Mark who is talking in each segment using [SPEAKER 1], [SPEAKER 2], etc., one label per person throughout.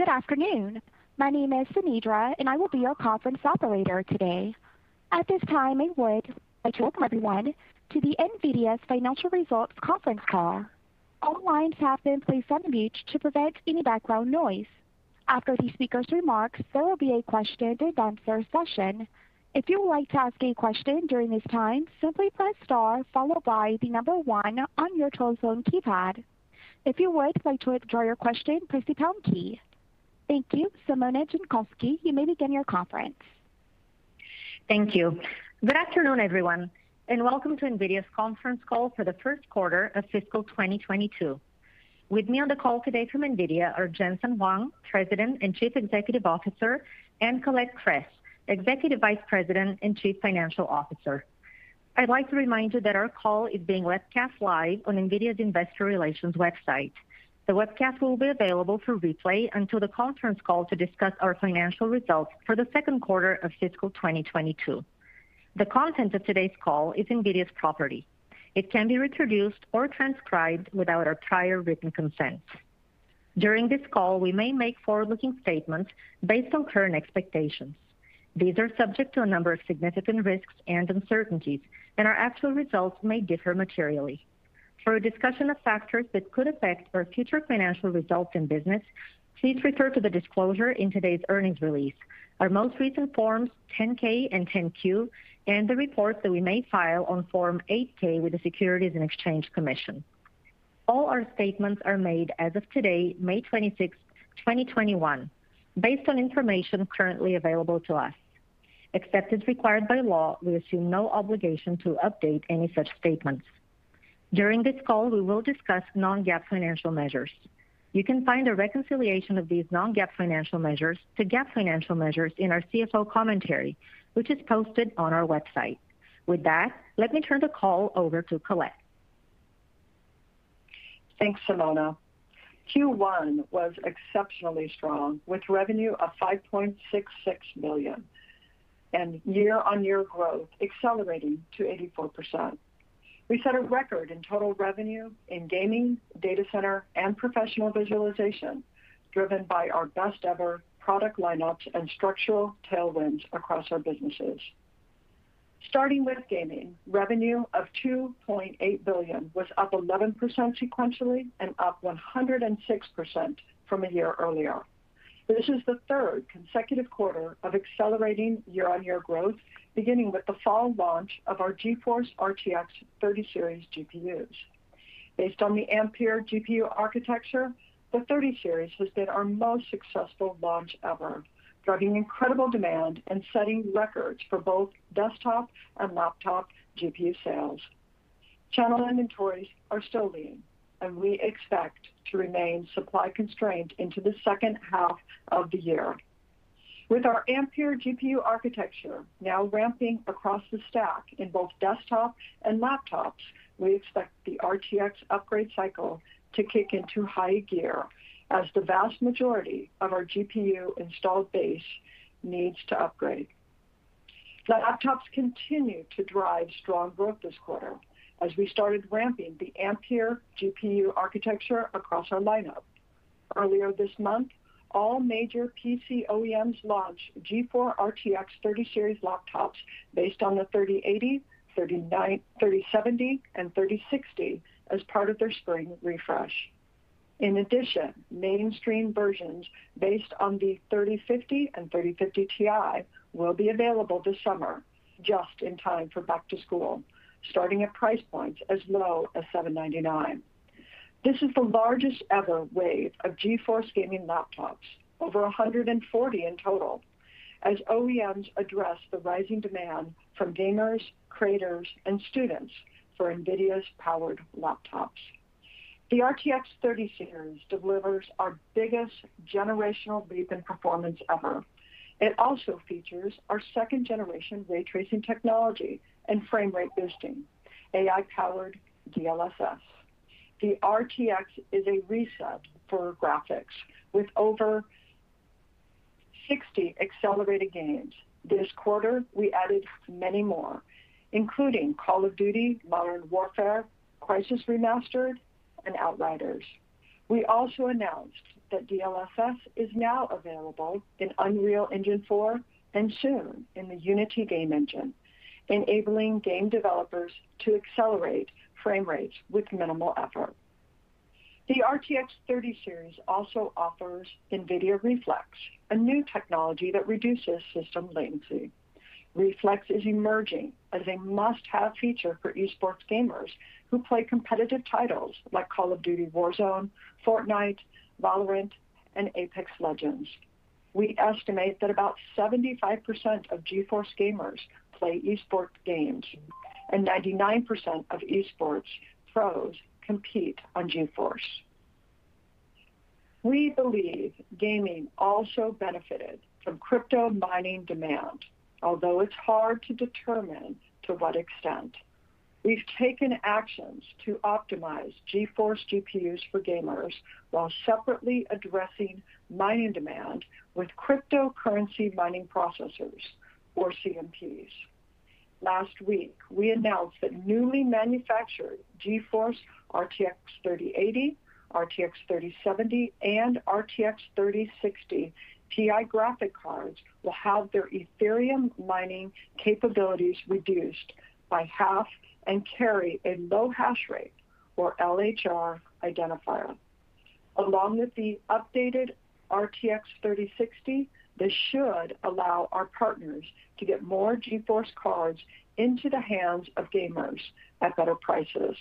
[SPEAKER 1] Good afternoon. My name is Samidra, and I will be your conference operator today. At this time, I would like to welcome you to the NVIDIA financial results conference call. All lines have been placed on mute to prevent any background noise. After the speakers' remarks, there will be a question-and-answer session. If you would like to ask a question during this time, simply press star followed by the number one on your telephone keypad. If you would like to withdraw your question, press the pound key. Thank you. Simona Jankowski, you may begin your conference.
[SPEAKER 2] Thank you. Good afternoon, everyone. Welcome to NVIDIA's conference call for the first quarter of fiscal 2022. With me on the call today from NVIDIA are Jensen Huang, President and Chief Executive Officer, and Colette Kress, Executive Vice President and Chief Financial Officer. I'd like to remind you that our call is being webcast live on NVIDIA's investor relations website. The webcast will be available for replay until the conference call to discuss our financial results for the second quarter of fiscal 2022. The content of today's call is NVIDIA's property. It can be reproduced or transcribed without our prior written consent. During this call, we may make forward-looking statements based on current expectations. These are subject to a number of significant risks and uncertainties and our actual results may differ materially. For a discussion of factors that could affect our future financial results and business, please refer to the disclosure in today's earnings release, our most recent Forms 10-K and 10-Q, and the reports that we may file on Form 8-K with the Securities and Exchange Commission. All our statements are made as of today, May 26th, 2021, based on information currently available to us. Except as required by law, we assume no obligation to update any such statements. During this call, we will discuss non-GAAP financial measures. You can find a reconciliation of these non-GAAP financial measures to GAAP financial measures in our CFO commentary, which is posted on our website. With that, let me turn the call over to Colette.
[SPEAKER 3] Thanks, Simona. Q1 was exceptionally strong, with revenue of $5.66 million and year-on-year growth accelerating to 84%. We set a record in total revenue in gaming, data center, and professional visualization, driven by our best-ever product lineups and structural tailwinds across our businesses. Starting with gaming, revenue of $2.8 billion was up 11% sequentially and up 106% from a year earlier. This is the third consecutive quarter of accelerating year-on-year growth, beginning with the fall launch of our GeForce RTX 30 Series GPUs. Based on the Ampere GPU architecture, the 30 Series has been our most successful launch ever, driving incredible demand and setting records for both desktop and laptop GPU sales. Channel inventories are still lean and we expect to remain supply constrained into the second half of the year. With our Ampere GPU architecture now ramping across the stack in both desktops and laptops, we expect the RTX upgrade cycle to kick into high gear as the vast majority of our GPU installed base needs to upgrade. Laptops continue to drive strong growth this quarter as we started ramping the Ampere GPU architecture across our lineup. Earlier this month, all major PC OEMs launched GeForce RTX 30 Series laptops based on the 3080, 3070, and 3060 as part of their spring refresh. In addition, mainstream versions based on the 3050 and 3050 Ti will be available this summer, just in time for back to school, starting at price points as low as $799. This is the largest ever wave of GeForce gaming laptops, over 140 in total, as OEMs address the rising demand from gamers, creators, and students for NVIDIA's powered laptops. The RTX 30 Series delivers our biggest generational leap in performance ever. It also features our second generation ray tracing technology and frame rate boosting, AI-powered DLSS. The RTX is a reset for graphics with over 60 accelerated games. This quarter, we added many more, including Call of Duty: Modern Warfare, Crysis Remastered, and Outriders. We also announced that DLSS is now available in Unreal Engine 4 and soon in the Unity game engine, enabling game developers to accelerate frame rates with minimal effort. The RTX 30 Series also offers NVIDIA Reflex, a new technology that reduces system latency. Reflex is emerging as a must-have feature for esports gamers who play competitive titles like Call of Duty: Warzone, Fortnite, Valorant, and Apex Legends. We estimate that about 75% of GeForce gamers play esports games, and 99% of esports pros compete on GeForce. We believe gaming also benefited from crypto mining demand, although it's hard to determine to what extent. We've taken actions to optimize GeForce GPUs for gamers while separately addressing mining demand with Cryptocurrency Mining Processors, or CMPs. Last week, we announced that newly manufactured GeForce RTX 3080, RTX 3070, and RTX 3060 Ti graphic cards will have their Ethereum mining capabilities reduced by half and carry a low hash rate, or LHR identifier. Along with the updated RTX 3060, this should allow our partners to get more GeForce cards into the hands of gamers at better prices.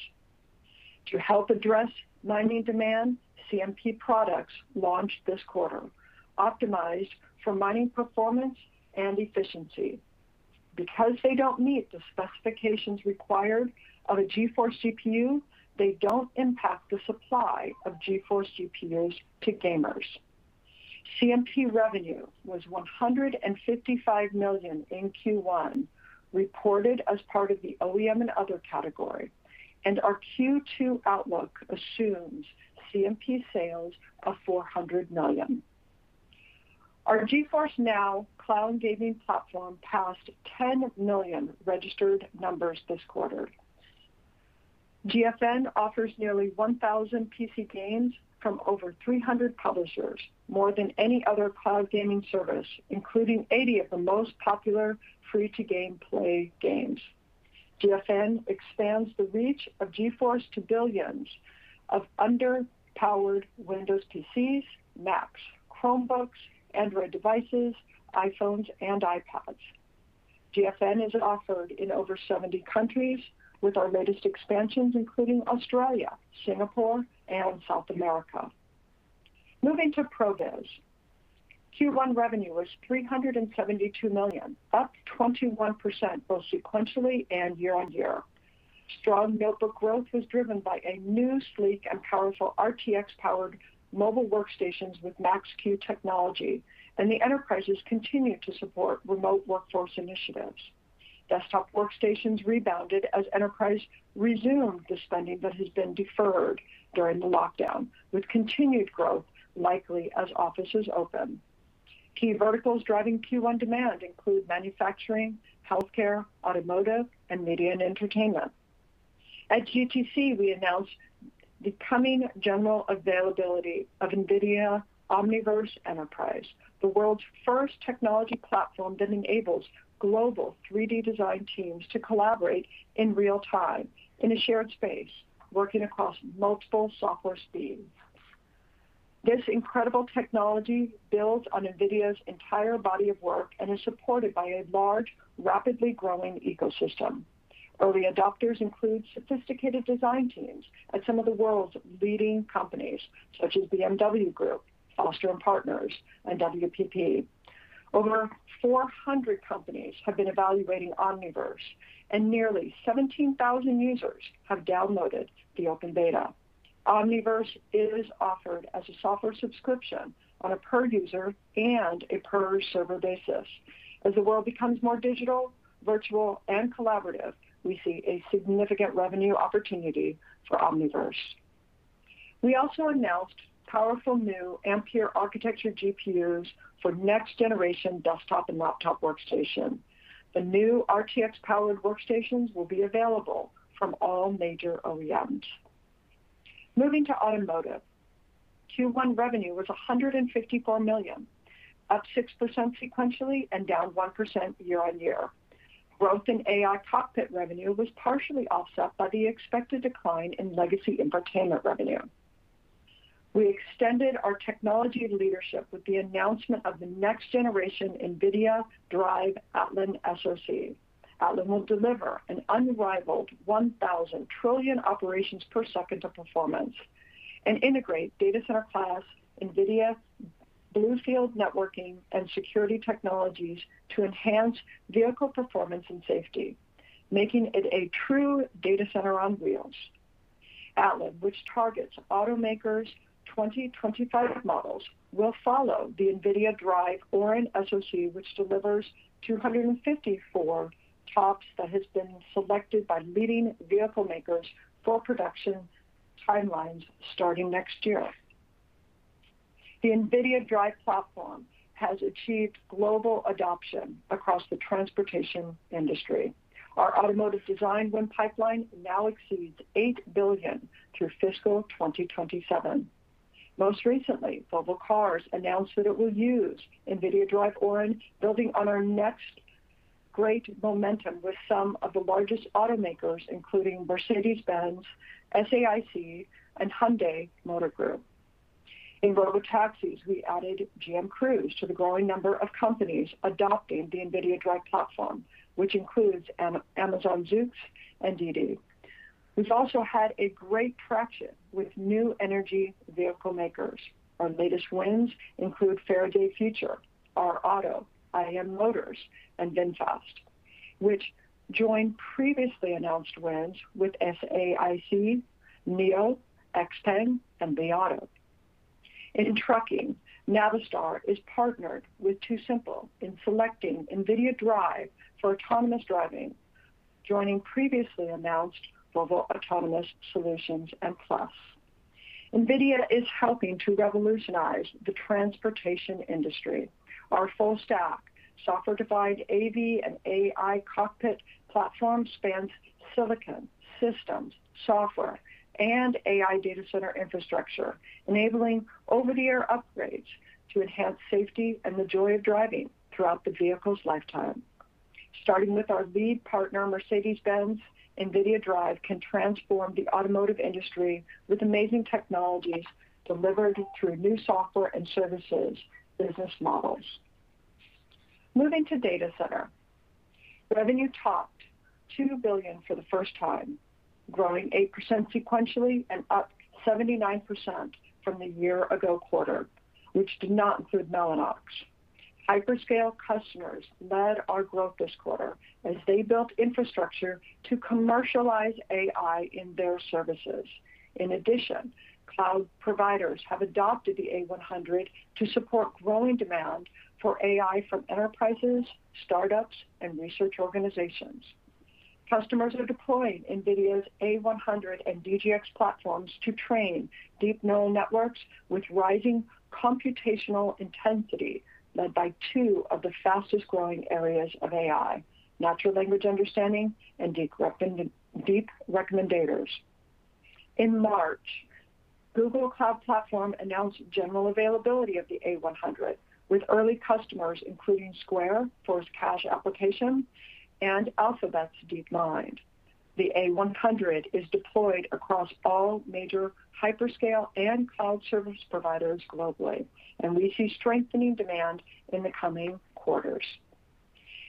[SPEAKER 3] To help address mining demand, CMP products launched this quarter, optimized for mining performance and efficiency because they don't meet the specifications required of a GeForce GPU, they don't impact the supply of GeForce GPUs to gamers. CMP revenue was $155 million in Q1, reported as part of the OEM and other category, and our Q2 outlook assumes CMP sales of $400 million. Our GeForce NOW cloud gaming platform passed 10 million registered numbers this quarter. GFN offers nearly 1,000 PC games from over 300 publishers, more than any other cloud gaming service, including 80 of the most popular free-to-gameplay games. GFN expands the reach of GeForce to billions of under-powered Windows PCs, Macs, Chromebooks, Android devices, iPhones, and iPads. GFN is offered in over 70 countries, with our latest expansions including Australia, Singapore, and South America. Moving to ProViz. Q1 revenue was $372 million, up 21% both sequentially and year-on-year. Strong notebook growth was driven by a new sleek and powerful RTX-powered mobile workstations with Max-Q technology, and the enterprises continue to support remote workforce initiatives. Desktop workstations rebounded as enterprise resumed the spending that has been deferred during the lockdown, with continued growth likely as offices open. Key verticals driving Q1 demand include manufacturing, healthcare, automotive, and media and entertainment. At GTC, we announced the coming general availability of NVIDIA Omniverse Enterprise, the world's first technology platform that enables global 3D design teams to collaborate in real-time in a shared space, working across multiple software SPs. This incredible technology builds on NVIDIA's entire body of work and is supported by a large, rapidly growing ecosystem. Early adopters include sophisticated design teams at some of the world's leading companies, such as BMW Group, Foster + Partners, and WPP. Over 400 companies have been evaluating Omniverse, and nearly 17,000 users have downloaded the open beta. Omniverse is offered as a software subscription on a per-user and a per-server basis. As the world becomes more digital, virtual, and collaborative, we see a significant revenue opportunity for Omniverse. We also announced powerful new Ampere architecture GPUs for next-generation desktop and laptop workstations. The new RTX-powered workstations will be available from all major OEMs. Moving to automotive. Q1 revenue was $154 million, up 6% sequentially and down 1% year-over-year. Growth in AI cockpit revenue was partially offset by the expected decline in legacy infotainment revenue. We extended our technology leadership with the announcement of the next-generation NVIDIA DRIVE Atlan SoC. Atlan will deliver an unrivaled 1,000 trillion operations per second of performance and integrate data center-class NVIDIA BlueField networking and security technologies to enhance vehicle performance and safety, making it a true data center on wheels. Atlan, which targets automakers' 2025 models, will follow the NVIDIA DRIVE Orin SoC, which delivers 254 TOPS that has been selected by leading vehicle makers for production timelines starting next year. The NVIDIA DRIVE platform has achieved global adoption across the transportation industry. Our automotive designed win pipeline now exceeds $8 billion through fiscal 2027. Most recently, Volvo Cars announced that it will use NVIDIA DRIVE Orin, building on our next great momentum with some of the largest automakers, including Mercedes-Benz, SAIC, and Hyundai Motor Group. In robotaxis, we added GM Cruise to the growing number of companies adopting the NVIDIA DRIVE platform, which includes Amazon Zoox and Didi. We've also had great traction with new energy vehicle makers. Our latest wins include Faraday Future, R Auto, IM Motors, and VinFast, which join previously announced wins with SAIC, NIO, XPENG, and BAIC Auto. In trucking, Navistar has partnered with TuSimple in selecting NVIDIA Drive for autonomous driving, joining previously announced Volvo Autonomous Solutions and Plus. NVIDIA is helping to revolutionize the transportation industry. Our full-stack software-defined AV and AI cockpit platform spans silicon, systems, software, and AI data center infrastructure, enabling over-the-air upgrades to enhance safety and the joy of driving throughout the vehicle's lifetime. Starting with our lead partner, Mercedes-Benz, NVIDIA Drive can transform the automotive industry with amazing technologies delivered through new software and services business models. Moving to data center. Revenue topped $2 billion for the first time, growing 8% sequentially and up 79% from the year-ago quarter, which did not include Mellanox. Hyperscale customers led our growth this quarter as they built infrastructure to commercialize AI in their services. In addition, cloud providers have adopted the A100 to support growing demand for AI from enterprises, startups, and research organizations. Customers are deploying NVIDIA's A100 and DGX platforms to train deep neural networks with rising computational intensity, led by two of the fastest-growing areas of AI, natural language understanding and deep recommenders. In March, Google Cloud Platform announced general availability of the A100, with early customers including Square, force Cash Application, and Alphabet's DeepMind. The A100 is deployed across all major hyperscale and cloud service providers globally, and we see strengthening demand in the coming quarters.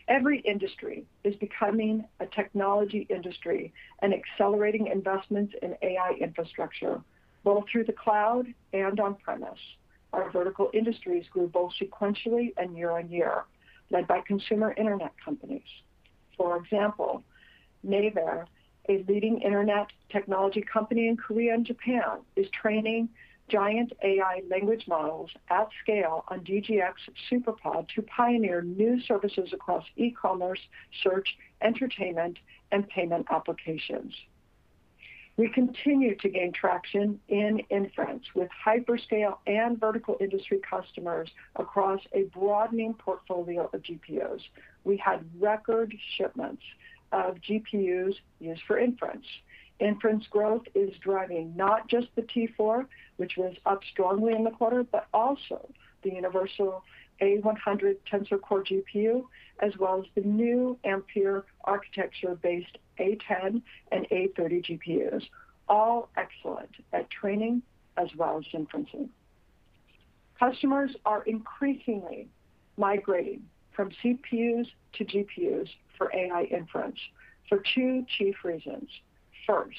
[SPEAKER 3] Every industry is becoming a technology industry and accelerating investments in AI infrastructure, both through the cloud and on-premise. Our vertical industries grew both sequentially and year-on-year, led by consumer Internet companies. For example, Naver, a leading Internet technology company in Korea and Japan, is training giant AI language models at scale on DGX SuperPOD to pioneer new services across e-commerce, search, entertainment, and payment applications. We continue to gain traction in inference with hyperscale and vertical industry customers across a broadening portfolio of GPUs. We had record shipments of GPUs used for inference. Inference growth is driving not just the T4, which was up strongly in the quarter, but also the universal A100 Tensor Core GPU, as well as the new Ampere architecture-based A10 and A30 GPUs, all excellent at training as well as inferencing. Customers are increasingly migrating from CPUs to GPUs for AI inference for two chief reasons. First,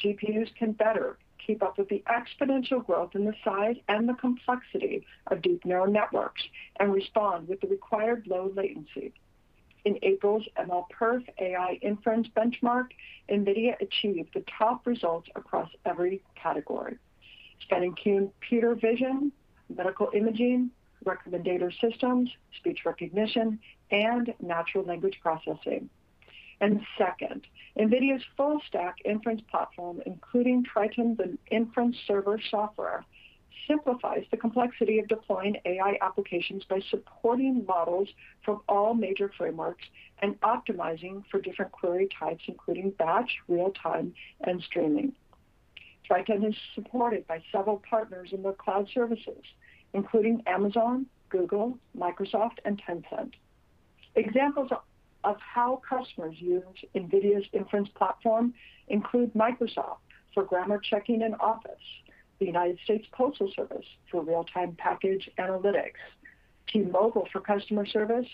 [SPEAKER 3] GPUs can better keep up with the exponential growth in the size and the complexity of deep neural networks and respond with the required low latency. In April's MLPerf AI Inference benchmark, NVIDIA achieved the top results across every category. That includes computer vision, medical imaging, recommender systems, speech recognition, and natural language processing. Second, NVIDIA's full-stack inference platform, including Triton Inference Server software, simplifies the complexity of deploying AI applications by supporting models from all major frameworks and optimizing for different query types, including batch, real-time, and streaming. Triton is supported by several partners in the cloud services, including Amazon, Google, Microsoft, and Tencent. Examples of how customers use NVIDIA's inference platform include Microsoft for grammar checking in Office, the United States Postal Service for real-time package analytics, T-Mobile for customer service,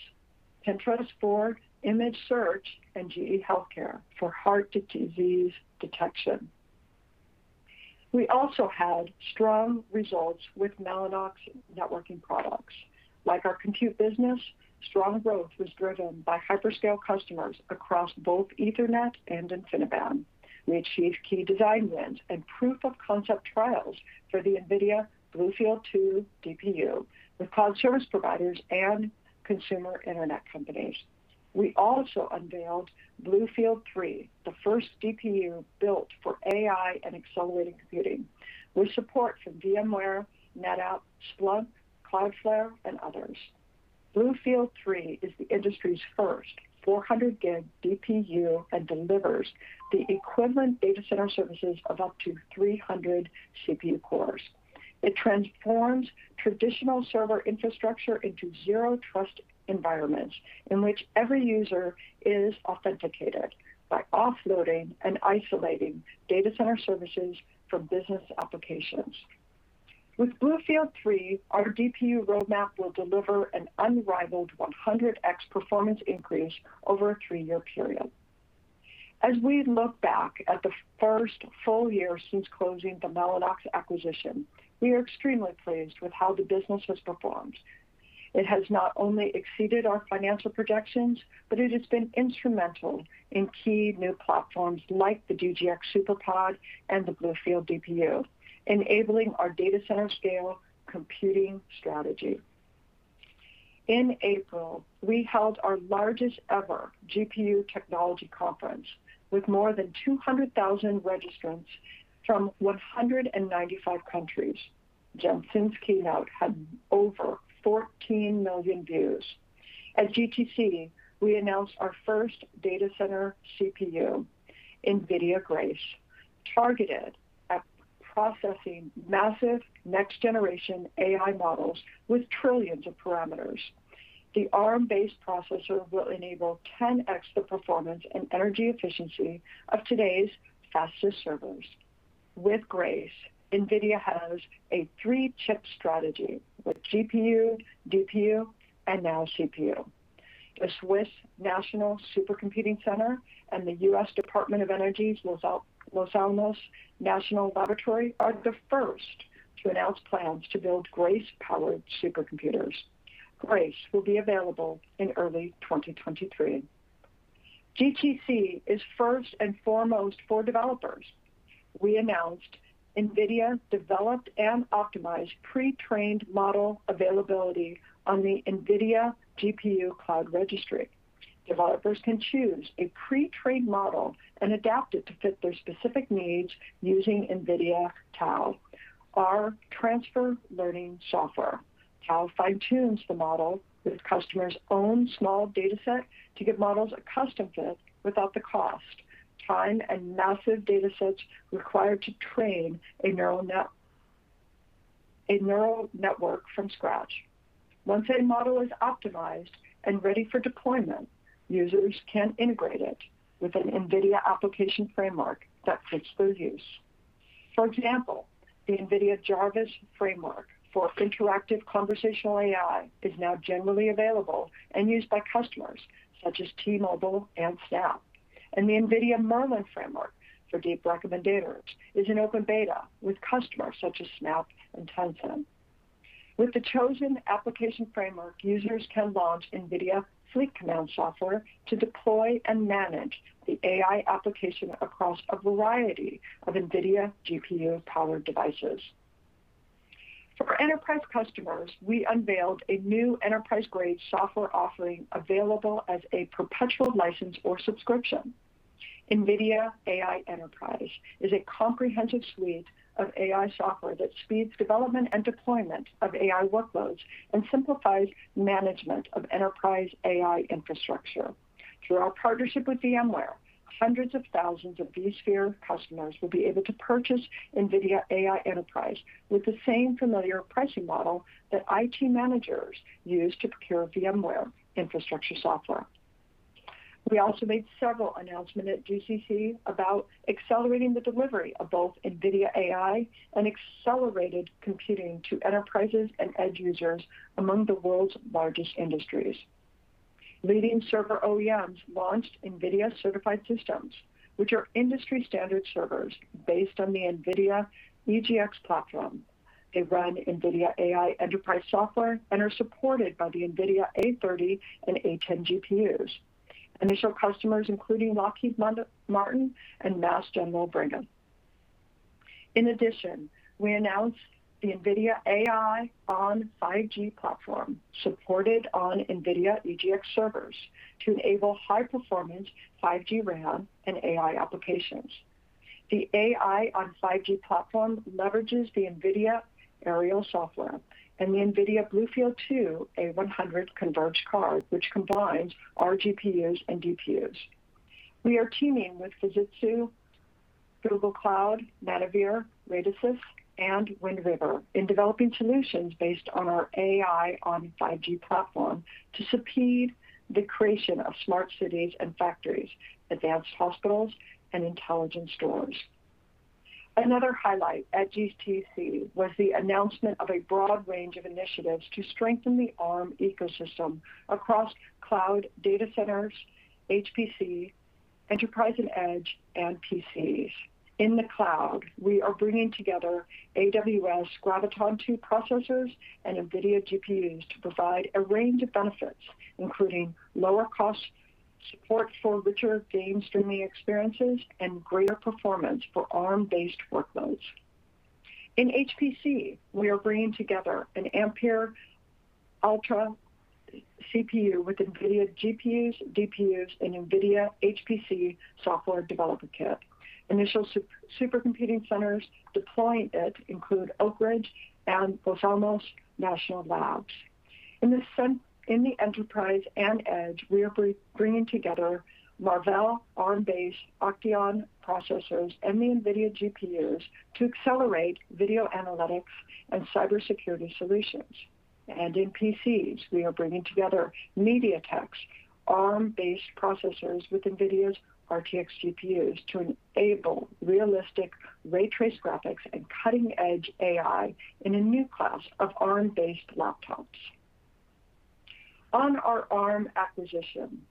[SPEAKER 3] Pinterest for image search, and GE HealthCare for heart disease detection. We also had strong results with Mellanox networking products. Like our compute business, strong growth was driven by hyperscale customers across both Ethernet and InfiniBand. We achieved key design wins and proof-of-concept trials for the NVIDIA BlueField-2 DPU with cloud service providers and consumer Internet companies. We also unveiled BlueField-3, the first DPU built for AI and accelerated computing with support from VMware, NetApp, Splunk, Cloudflare, and others. BlueField-3 is the industry's first 400G DPU and delivers the equivalent data center services of up to 300 CPU cores. It transforms traditional server infrastructure into zero-trust environments in which every user is authenticated by offloading and isolating data center services from business applications. With BlueField-3, our DPU roadmap will deliver an unrivaled 100x performance increase over a three-year period. As we look back at the first full year since closing the Mellanox acquisition, we are extremely pleased with how the business has performed. It has not only exceeded our financial projections, but it has been instrumental in key new platforms like the DGX SuperPOD and the BlueField DPU, enabling our data center scale computing strategy. In April, we held our largest ever GPU technology conference with more than 200,000 registrants from 195 countries. Jensen's keynote had over 14 million views. At GTC, we announced our first data center CPU, NVIDIA Grace, targeted at processing massive next-generation AI models with trillions of parameters. The Arm-based processor will enable 10x the performance and energy efficiency of today's fastest servers. With Grace, NVIDIA has a three-chip strategy with GPU, DPU, and now CPU. The Swiss National Supercomputing Centre and the U.S. Department of Energy's Los Alamos National Laboratory are the first to announce plans to build Grace-powered supercomputers. Grace will be available in early 2023. GTC is first and foremost for developers. We announced NVIDIA developed and optimized pre-trained model availability on the NVIDIA GPU Cloud Registry. Developers can choose a pre-trained model and adapt it to fit their specific needs using NVIDIA TAO, our transfer learning software. TAO fine-tunes the model with customers own small dataset to get models a custom fit without the cost, time, and massive datasets required to train a neural network from scratch. Once a model is optimized and ready for deployment, users can integrate it with an NVIDIA application framework that fits their use. For example, the NVIDIA Jarvis framework for interactive conversational AI is now generally available and used by customers such as T-Mobile and SNAP. The NVIDIA Merlin framework for deep recommenders is in open beta with customers such as SNAP and Tencent. With the chosen application framework, users can launch NVIDIA Fleet Command software to deploy and manage the AI application across a variety of NVIDIA GPU-powered devices. For enterprise customers, we unveiled a new enterprise-grade software offering available as a perpetual license or subscription. NVIDIA AI Enterprise is a comprehensive suite of AI software that speeds development and deployment of AI workloads and simplifies management of enterprise AI infrastructure. Through our partnership with VMware, hundreds of thousands of vSphere customers will be able to purchase NVIDIA AI Enterprise with the same familiar pricing model that IT managers use to procure VMware infrastructure software. We also made several announcement at GTC about accelerating the delivery of both NVIDIA AI and accelerated computing to enterprises and edge users among the world's largest industries. Leading server OEMs launched NVIDIA certified systems, which are industry standard servers based on the NVIDIA EGX platform. They run NVIDIA AI Enterprise software and are supported by the NVIDIA A30 and A10 GPUs. Initial customers including Lockheed Martin and Mass General Brigham. In addition, we announced the NVIDIA AI on 5G platform supported on NVIDIA EGX servers to enable high-performance 5G RAN and AI applications. The AI on 5G platform leverages the NVIDIA Aerial software and the NVIDIA BlueField-2, a 100 converged card, which combines GPUs and DPUs. We are teaming with Fujitsu, Google Cloud, Mavenir, Radisys, and Wind River in developing solutions based on our AI on 5G platform to speed the creation of smart cities and factories, advanced hospitals, and intelligent stores. Another highlight at GTC was the announcement of a broad range of initiatives to strengthen the Arm ecosystem across cloud data centers, HPC, enterprise and edge, and PCs. In the cloud, we are bringing together AWS Graviton2 processors and NVIDIA GPUs to provide a range of benefits, including lower cost support for richer game streaming experiences and greater performance for Arm-based workloads. In HPC, we are bringing together an Ampere Altra CPU with NVIDIA GPUs, DPUs, and NVIDIA HPC SDK. Initial supercomputing centers deploying it include Oak Ridge and Los Alamos National Laboratory. In the enterprise and edge, we are bringing together Marvell Arm-based Octeon processors and the NVIDIA GPUs to accelerate video analytics and cybersecurity solutions. In PCs, we are bringing together MediaTek's Arm-based processors with NVIDIA's RTX GPUs to enable realistic ray trace graphics and cutting edge AI in a new class of Arm-based laptops. On our Arm acquisition,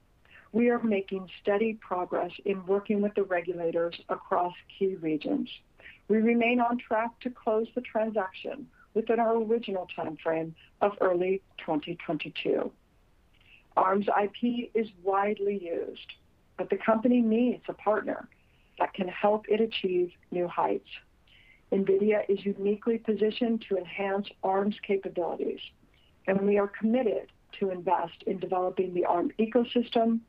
[SPEAKER 3] we are making steady progress in working with the regulators across key regions. We remain on track to close the transaction within our original timeframe of early 2022. Arm's IP is widely used, but the company needs a partner that can help it achieve new heights. NVIDIA is uniquely positioned to enhance Arm's capabilities, and we are committed to invest in developing the Arm ecosystem,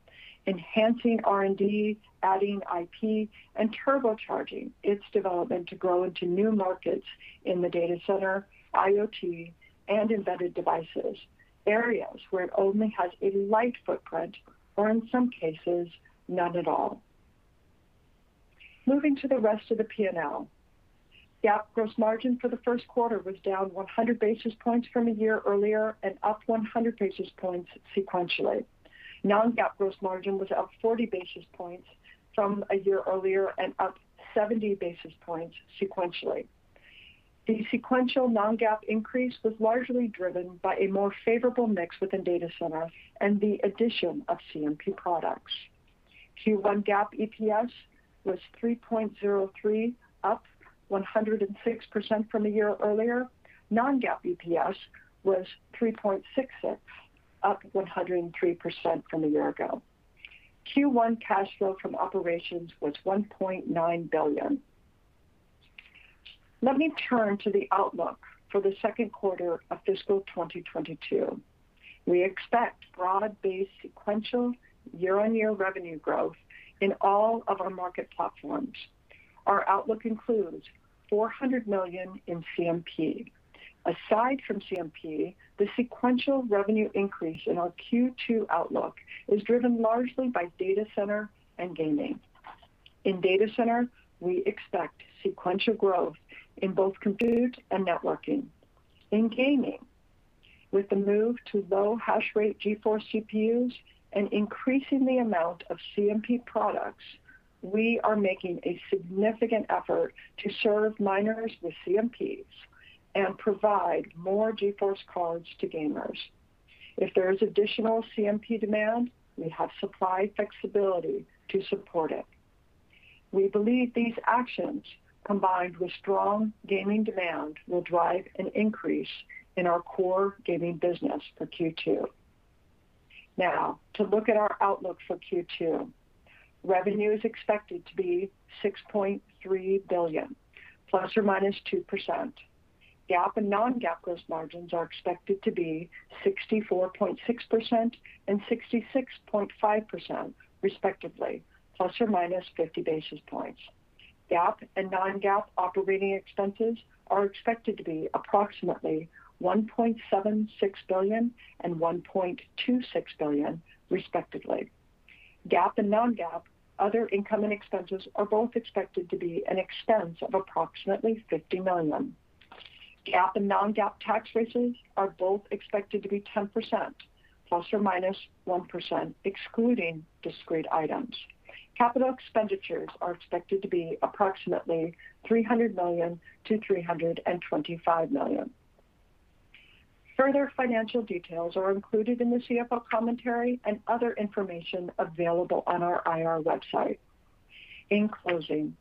[SPEAKER 3] enhancing R&D, adding IP, and turbocharging its development to grow into new markets in the data center, IoT, and embedded devices, areas where it only has a light footprint or in some cases, none at all. Moving to the rest of the P&L. GAAP gross margin for the first quarter was down 100 basis points from a year earlier and up 100 basis points sequentially. Non-GAAP gross margin was up 40 basis points from a year earlier and up 70 basis points sequentially. The sequential non-GAAP increase was largely driven by a more favorable mix within data center and the addition of CMP products. Q1 GAAP EPS was $3.03, up 106% from a year earlier. Non-GAAP EPS was $3.66, up 103% from a year ago. Q1 cash flow from operations was $1.9 billion. Let me turn to the outlook for the second quarter of fiscal 2022. We expect broad-based sequential year-on-year revenue growth in all of our market platforms. Our outlook includes $400 million in CMP. Aside from CMP, the sequential revenue increase in our Q2 outlook is driven largely by data center and gaming. In data center, we expect sequential growth in both compute and networking. In gaming, with the move to low hash rate GeForce GPUs and increasing the amount of CMP products, we are making a significant effort to serve miners with CMPs and provide more GeForce cards to gamers. If there is additional CMP demand, we have supply flexibility to support it. We believe these actions, combined with strong gaming demand, will drive an increase in our core gaming business for Q2. Now, to look at our outlook for Q2. Revenue is expected to be $6.3 billion, ±2%. GAAP and non-GAAP gross margins are expected to be 64.6% and 66.5%, respectively, ±50 basis points. GAAP and non-GAAP operating expenses are expected to be approximately $1.76 billion and $1.26 billion, respectively. GAAP and non-GAAP, other income and expenses are both expected to be an expense of approximately $50 million. GAAP and non-GAAP tax rates are both expected to be 10%, ±1%, excluding discrete items. Capital expenditures are expected to be approximately $300 million-$325 million. Further financial details are included in the CFO commentary and other information available on our IR website. In closing,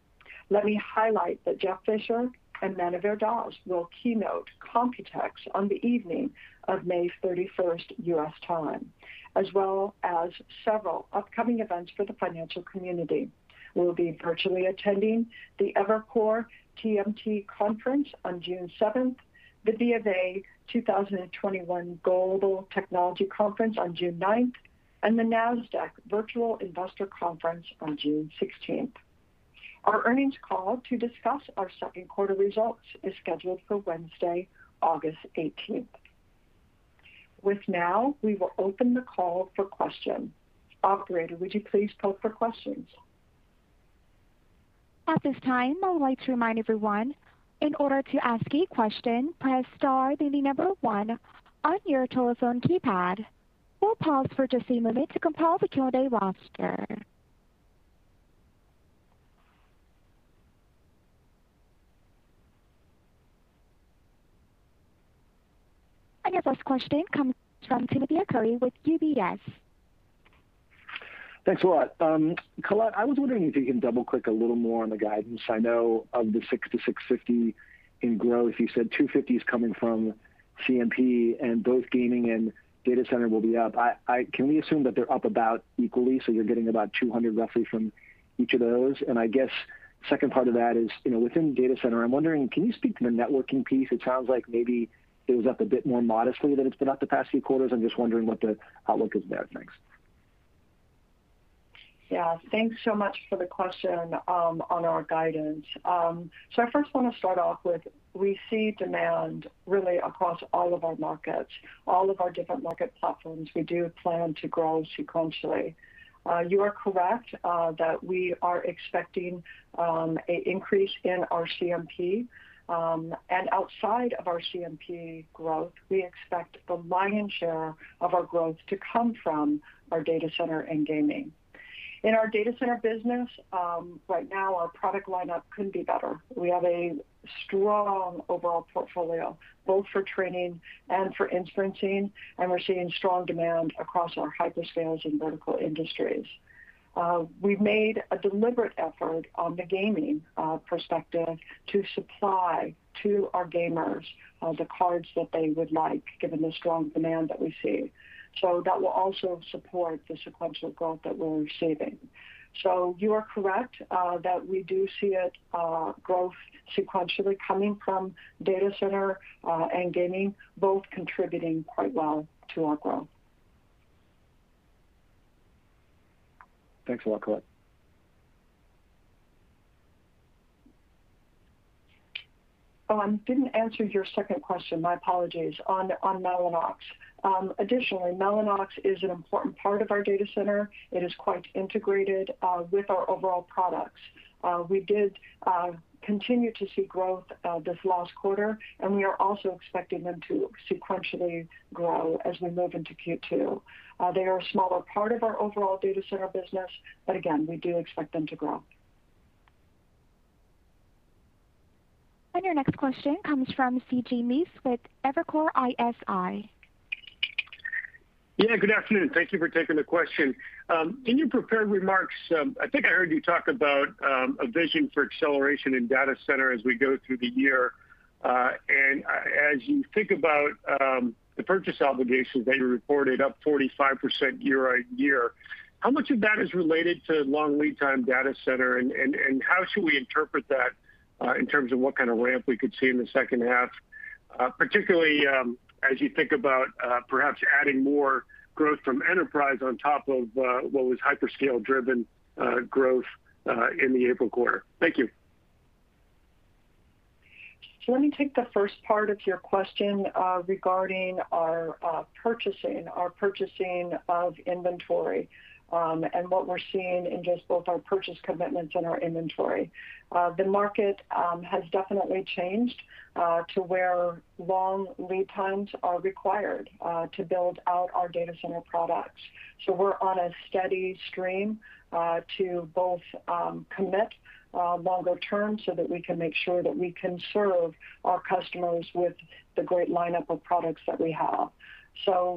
[SPEAKER 3] let me highlight that Jeff Fisher and Manuvir Das will keynote Computex on the evening of May 31st, U.S. time, as well as several upcoming events for the financial community. We will be virtually attending the Evercore TMT Conference on June 7th, the BofA 2021 Global Technology Conference on June 9th, and the Nasdaq Virtual Investor Conference on June 16th. Our earnings call to discuss our second quarter results is scheduled for Wednesday, August 18th. With now, we will open the call for questions. Operator, would you please pull for questions?
[SPEAKER 1] At this time, I will like to remind you everyone inorder to ask a question, press star and the number one on your telelphone keypad. We'll pause for just a moment to compile the Q&A roster. Our first question comes from Timothy Arcuri with UBS.
[SPEAKER 4] Thanks a lot. Colette, I was wondering if you can double-click a little more on the guidance. I know of the $6,650 in growth, you said $250 is coming from CMP, and both gaming and data center will be up. Can we assume that they're up about equally, so you're getting about $200 roughly from each of those? I guess second part of that is, within data center, I'm wondering, can you speak to the networking piece? It sounds like maybe it was up a bit more modestly than it's been up the past few quarters. I'm just wondering what the outlook is there. Thanks.
[SPEAKER 3] Yeah. Thanks so much for the question on our guidance. I first want to start off with, we see demand really across all of our markets, all of our different market platforms. We do plan to grow sequentially. You are correct that we are expecting an increase in our CMP. Outside of our CMP growth, we expect the lion's share of our growth to come from our data center and gaming. In our data center business, right now our product lineup couldn't be better. We have a strong overall portfolio, both for training and for inferencing, and we're seeing strong demand across our hyperscales and vertical industries. We made a deliberate effort on the gaming perspective to supply to our gamers the cards that they would like, given the strong demand that we see. That will also support the sequential growth that we're receiving. You are correct that we do see a growth sequentially coming from data center and gaming, both contributing quite well to our growth.
[SPEAKER 4] Thanks a lot, Colette.
[SPEAKER 3] I didn't answer your second question, my apologies. On Mellanox. Mellanox is an important part of our data center. It is quite integrated with our overall products. We did continue to see growth this last quarter, and we are also expecting them to sequentially grow as we move into Q2. They are a smaller part of our overall data center business, but again, we do expect them to grow.
[SPEAKER 1] Your next question comes from CJ Muse with Evercore ISI.
[SPEAKER 5] Yeah, good afternoon. Thank you for taking the question. In your prepared remarks, I think I heard you talk about a vision for acceleration in data center as we go through the year. As you think about the purchase obligations that you reported up 45% year-over-year, how much of that is related to long lead time data center and how should we interpret that in terms of what kind of ramp we could see in the second half particularly, as you think about perhaps adding more growth from enterprise on top of what was hyperscale-driven growth in the April quarter. Thank you.
[SPEAKER 3] Let me take the first part of your question regarding our purchasing of inventory, and what we're seeing in just both our purchase commitments and our inventory. The market has definitely changed to where long lead times are required to build out our data center products. We're on a steady stream to both commit longer term so that we can make sure that we can serve our customers with the great lineup of products that we have.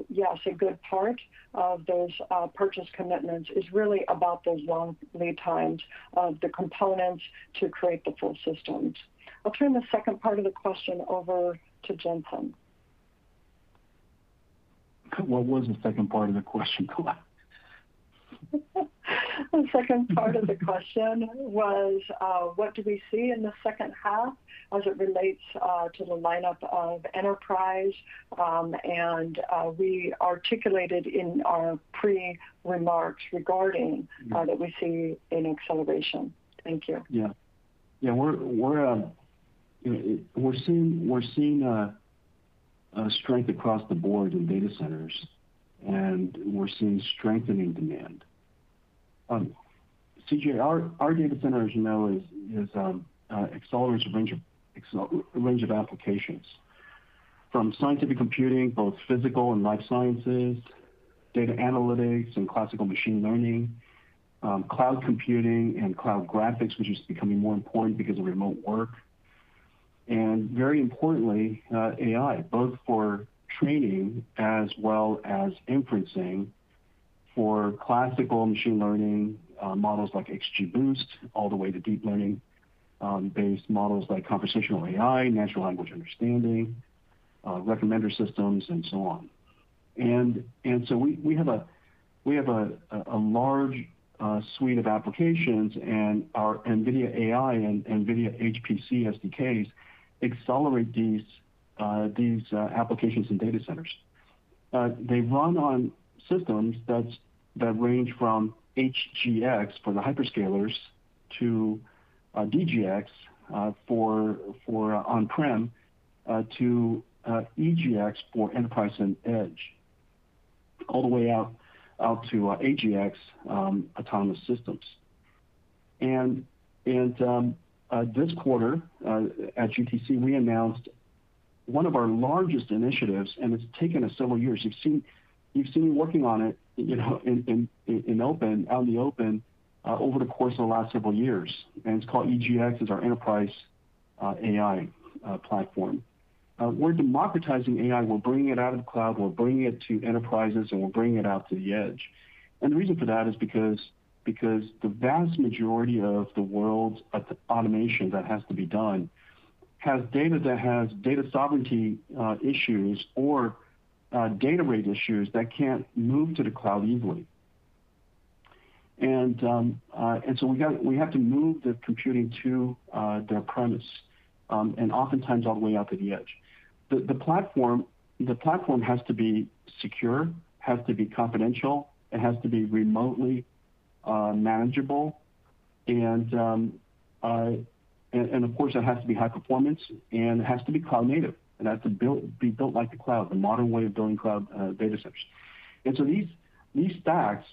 [SPEAKER 3] Yes, a good part of those purchase commitments is really about those long lead times of the components to create the full systems. I'll turn the second part of the question over to Jensen.
[SPEAKER 6] What was the second part of the question, Colette?
[SPEAKER 3] The second part of the question was, what do we see in the second half as it relates to the lineup of enterprise? We articulated in our pre-remarks regarding that we see an acceleration. Thank you, Jensen.
[SPEAKER 6] Yeah. We're seeing a strength across the board in data centers, and we're seeing strengthening demand. CJ, our data center, as you know, accelerates a range of applications from scientific computing, both physical and life sciences, data analytics and classical machine learning, cloud computing and cloud graphics, which is becoming more important because of remote work. Very importantly, AI, both for training as well as inferencing for classical machine learning models like XGBoost, all the way to deep learning-based models like conversational AI, natural language understanding, recommender systems, and so on. So we have a large suite of applications, and our NVIDIA AI and NVIDIA HPC SDKs accelerate these applications and data centers. They run on systems that range from HGX for the hyperscalers to DGX for on-prem, to EGX for enterprise and edge, all the way out to AGX autonomous systems. This quarter at GTC, we announced one of our largest initiatives, it's taken us several years. You've seen me working on it out in the open over the course of the last several years. It's called EGX. It's our enterprise AI platform. We're democratizing AI. We're bringing it out of the cloud, we're bringing it to enterprises, and we're bringing it out to the edge. The reason for that is because the vast majority of the world's automation that has to be done has data that has data sovereignty issues or data rate issues that can't move to the cloud easily and so we have to move the computing to their premise, and oftentimes all the way out to the edge. The platform has to be secure, has to be confidential, it has to be remotely manageable, and of course, it has to be high performance and it has to be cloud native. It has to be built like the cloud, the modern way of building cloud data centers. These stacks,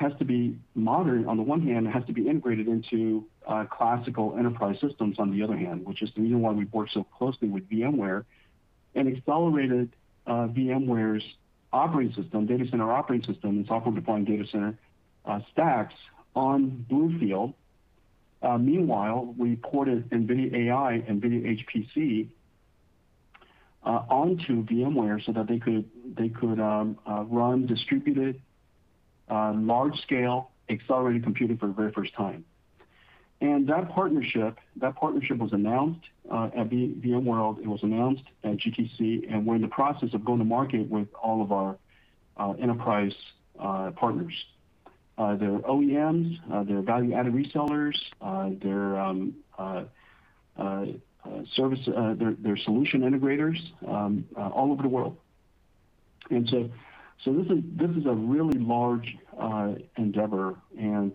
[SPEAKER 6] on the one hand, have to be integrated into classical enterprise systems on the other hand, which is the reason why we've worked so closely with VMware and accelerated VMware's data center operating system, its software-defined data center stacks on BlueField. Meanwhile, we ported NVIDIA AI, NVIDIA HPC onto VMware so that they could run distributed large-scale accelerated computing for the very first time. That partnership was announced at VMworld, it was announced at GTC, and we're in the process of going to market with all of our enterprise partners. Their OEMs, their value-added resellers, their solution integrators all over the world. This is a really large endeavor, and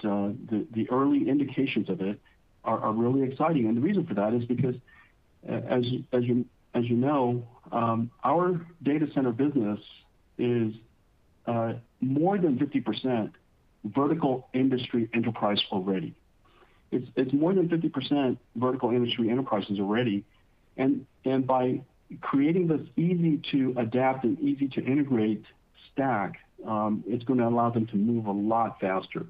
[SPEAKER 6] the early indications of it are really exciting. The reason for that is because, as you know, our data center business is more than 50% vertical industry enterprise already. It's more than 50% vertical industry enterprises already. By creating this easy-to-adapt and easy-to-integrate stack, it's going to allow them to move a lot faster.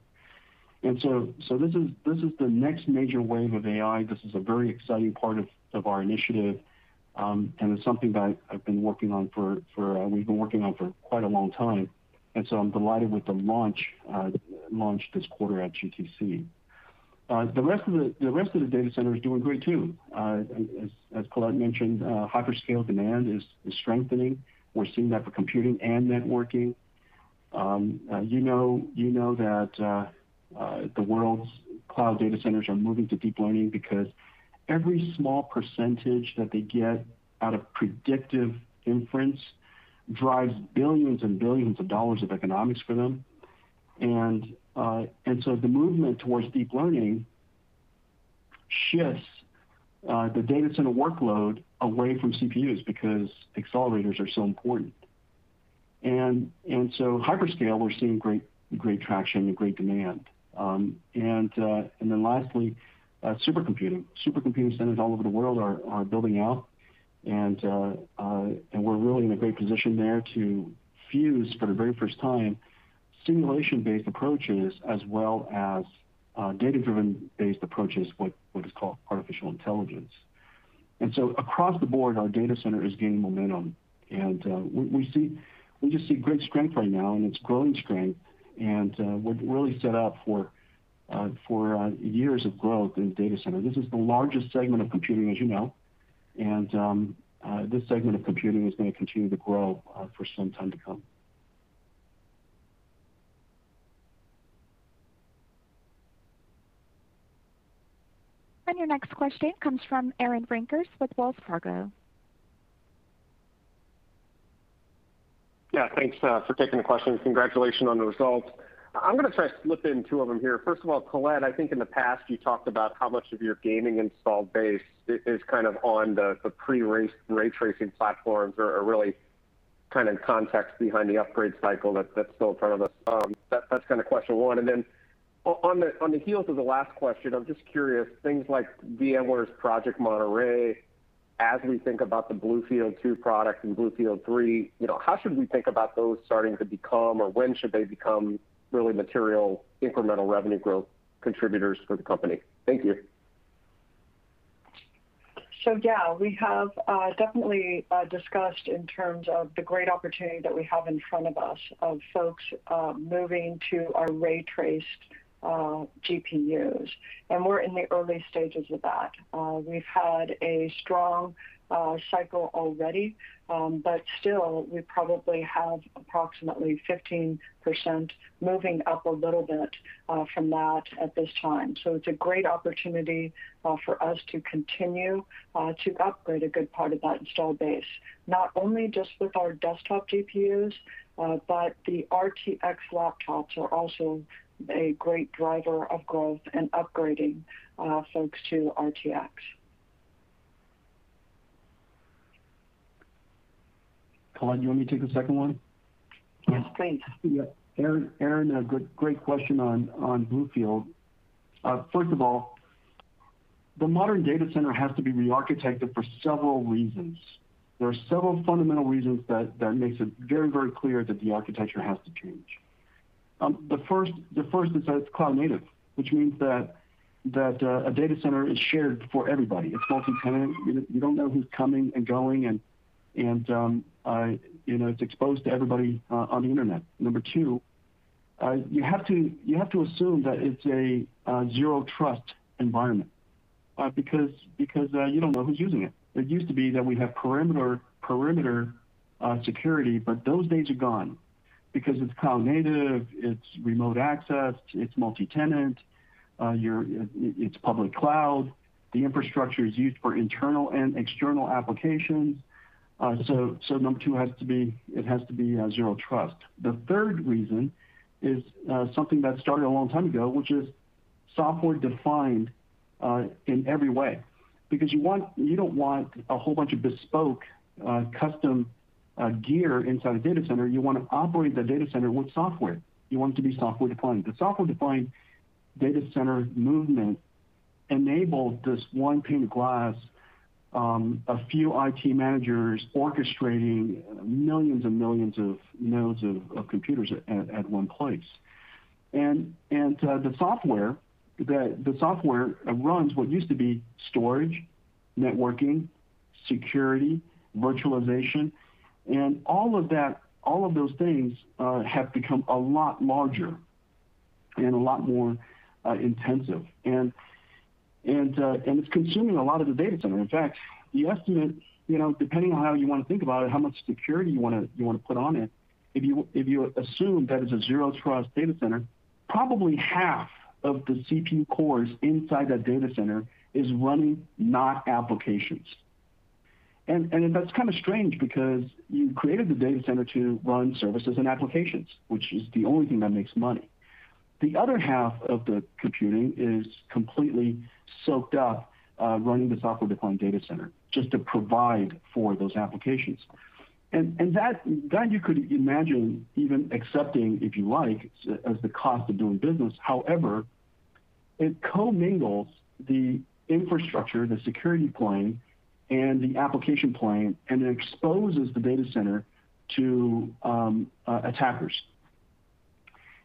[SPEAKER 6] This is the next major wave of AI. This is a very exciting part of our initiative. It's something that we've been working on for quite a long time. I'm delighted with the launch this quarter at GTC. The rest of the data center is doing great, too. As Colette mentioned, hyperscale demand is strengthening. We're seeing that for computing and networking. You know that the world's cloud data centers are moving to deep learning because every small percentage that they get out of predictive inference drives billions and billions of dollars of economics for them. The movement towards deep learning shifts the data center workload away from CPUs because accelerators are so important. Hyperscale, we're seeing great traction and great demand. Lastly, supercomputing. Supercomputing centers all over the world are building out. We're really in a great position there to fuse, for the very first time, simulation-based approaches as well as data-driven based approaches, what is called artificial intelligence. Across the board, our data center is gaining momentum. We just see great strength right now, and it's growing strength. We're really set up for years of growth in data center. This is the largest segment of computing, as you know and this segment of computing is going to continue to grow for some time to come.
[SPEAKER 1] Your next question comes from Aaron Rakers with Wells Fargo.
[SPEAKER 7] Thanks for taking the question. Congratulations on the results. I'm going to try to slip in two of them here. First of all, Colette, I think in the past, you talked about how much of your gaming installed base is on the pre-ray tracing platforms or really context behind the upgrade cycle that's still in front of us. That's question one. On the heels of the last question, I'm just curious, things like VMware's Project Monterey, as we think about the BlueField-2 product and BlueField-3, how should we think about those starting to become or when should they become really material incremental revenue growth contributors for the company? Thank you.
[SPEAKER 3] Yeah, we have definitely discussed in terms of the great opportunity that we have in front of us of folks moving to our ray traced GPUs. We're in the early stages of that. We've had a strong cycle already, but still, we probably have approximately 15% moving up a little bit from that at this time. It's a great opportunity for us to continue to upgrade a good part of that installed base, not only just with our desktop GPUs, but the RTX laptops are also a great driver of growth and upgrading folks to RTX.
[SPEAKER 6] Colette, you want me to take the second one?
[SPEAKER 3] Yes, please.
[SPEAKER 6] Yeah. Aaron, great question on NVIDIA BlueField. First of all, the modern data center has to be re-architected for several reasons. There are several fundamental reasons that makes it very clear that the architecture has to change. The first is that it's cloud-native, which means that a data center is shared for everybody. It's multi-tenant. You don't know who's coming and going, and it's exposed to everybody on the Internet. Number two, you have to assume that it's a zero-trust environment because you don't know who's using it. It used to be that we have perimeter security, but those days are gone because it's cloud-native, it's remote accessed, it's multi-tenant. It's public cloud. The infrastructure is used for internal and external applications. Number two, it has to be zero trust. The third reason is something that started a long time ago, which is software-defined in every way because you don't want a whole bunch of bespoke custom gear inside a data center. You want to operate the data center with software. You want it to be software-defined. The software-defined data center movement enabled this one pane of glass, a few IT managers orchestrating millions and millions of nodes of computers at one place. The software runs what used to be storage, networking, security, virtualization and all of that, all of those things have become a lot larger and a lot more intensive and it's consuming a lot of the data center. In fact, the estimate, depending on how you want to think about it, how much security you want to put on it, if you assume that it's a zero-trust data center, probably half of the CPU cores inside that data center is running not applications. That's kind of strange because you created the data center to run services and applications, which is the only thing that makes money. The other half of the computing is completely soaked up running the software-defined data center just to provide for those applications. That you could imagine even accepting, if you like, as the cost of doing business. However, it co-mingles the infrastructure, the security plane, and the application plane, and exposes the data center to attackers.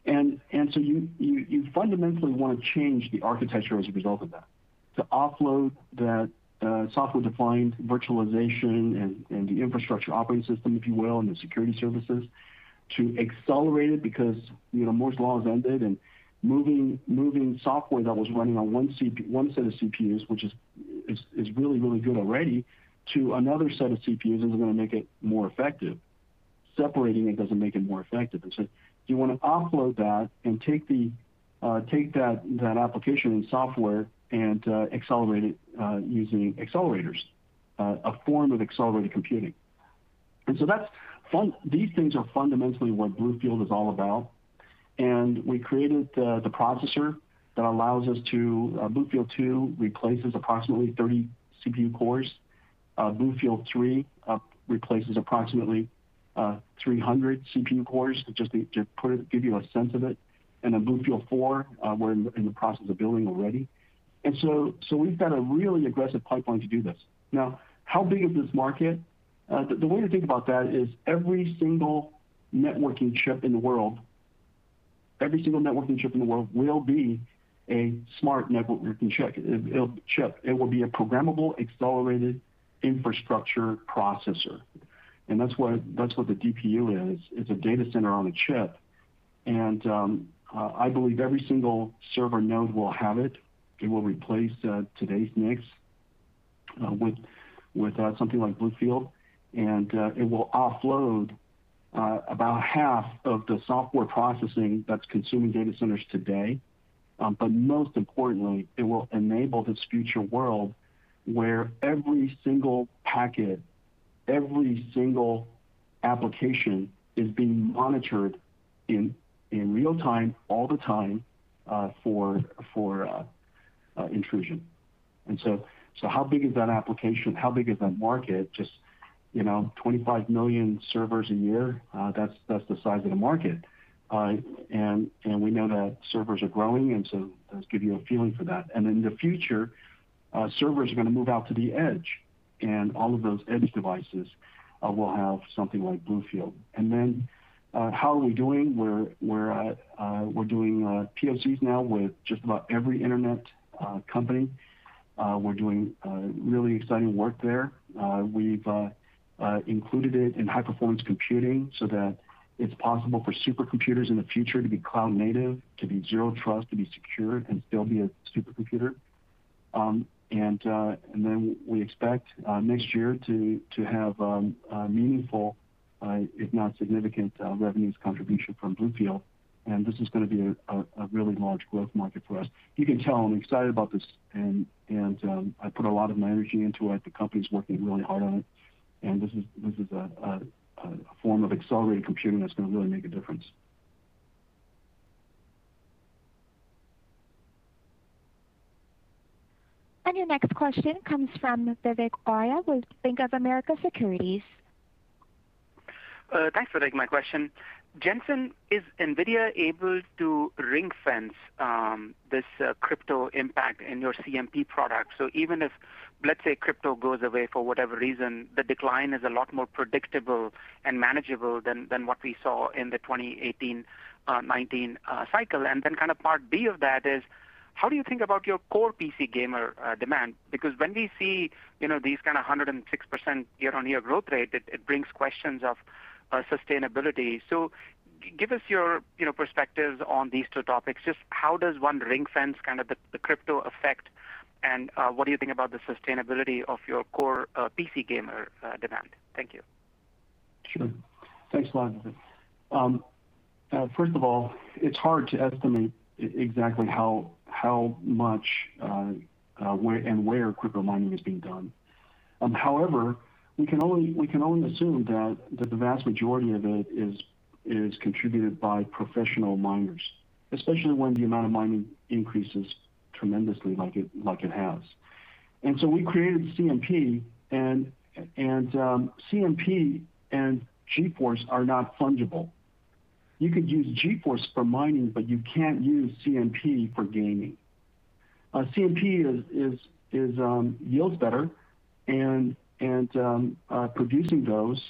[SPEAKER 6] You fundamentally want to change the architecture as a result of that to offload that software-defined virtualization and the infrastructure operating system, if you will, and the security services to accelerate it because Moore's law has ended, and moving software that was running on one set of CPUs, which is really, really good already, to another set of CPUs isn't going to make it more effective. Separating it doesn't make it more effective. You want to offload that and take that application and software and accelerate it using accelerators, a form of accelerated computing. These things are fundamentally what BlueField is all about and we created the processor. BlueField 2 replaces approximately 30 CPU cores. BlueField 3 replaces approximately 300 CPU cores, just to give you a sense of it. BlueField 4, and we're in the process of building already. We've got a really aggressive pipeline to do this. Now, how big is this market? The way to think about that is every single networking chip in the world will be a smart networking chip. It will be a programmable, accelerated infrastructure processor, and that's what the DPU is. It's a data center on a chip. I believe every single server node will have it. It will replace today's NICs with something like BlueField and it will offload about half of the software processing that's consuming data centers today. Most importantly, it will enable this future world where every single packet, every single application is being monitored in real-time, all the time, for intrusion. How big is that application? How big is that market? Just 25 million servers a year, that's the size of the market. We know that servers are growing, and so that gives you a feeling for that. In the future, servers are going to move out to the edge, and all of those edge devices will have something like BlueField. How are we doing? We're doing PoCs now with just about every Internet company. We're doing really exciting work there. We've included it in high-performance computing so that it's possible for supercomputers in the future to be cloud-native, to be zero trust, to be secure, and still be a supercomputer and then we expect next year to have a meaningful, if not significant, revenues contribution from BlueField, and this is going to be a really large growth market for us. You can tell I'm excited about this, and I put a lot of my energy into it. The company's working really hard on it, and this is a form of accelerated computing that's going to really make a difference.
[SPEAKER 1] Your next question comes from Vivek Arya with Bank of America Securities.
[SPEAKER 8] Thanks for taking my question. Jensen, is NVIDIA able to ringfence this crypto impact into your CMP product. So even if let's say crypto goes away for whatever reason the decline is a lot more predictable and manageble than what we saw in 2018/2019 cycle and kind of part B of that is how do you think about your core PC gamer demand becuase when we see in these kind of 106% in your growth rate, it brings the question of sustainability. Give us your perspective on these two topics. Just how does one bring kind of the crypto effect and what do you think about the sustainbilit of your core PC gamer in that. Thank you?
[SPEAKER 6] Sure. Thanks a lot, Vivek. First of all, it's hard to estimate exactly how much and where crypto mining is being done. However, we can only assume that the vast majority of it is contributed by professional miners, especially when the amount of mining increases tremendously like it has. We created CMP, and CMP and GeForce are not fungible. You could use GeForce for mining, but you can't use CMP for gaming. CMP yields better, and producing those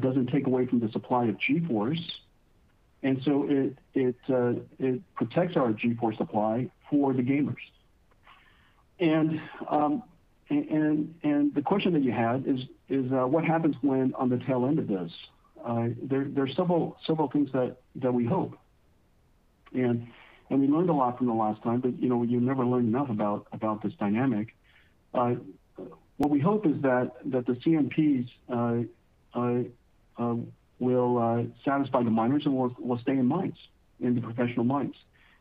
[SPEAKER 6] doesn't take away from the supply of GeForce and so it protects our GeForce supply for the gamers. The question that you had is what happens when on the tail end of this? There's several things that we hope, and we learned a lot from the last time, but you never learn enough about this dynamic. What we hope is that the CMPs will satisfy the miners and will stay in mines, in the professional mines.